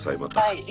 はい。